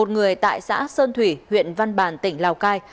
một người tại xã sơn thủy huyện văn bàn tỉnh lào cai